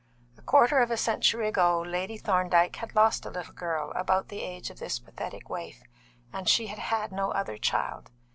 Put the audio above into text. A quarter of a century ago Lady Thorndyke had lost a little girl about the age of this pathetic waif, and she had had no other child.